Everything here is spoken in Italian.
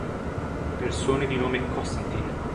Persone di nome Konstantin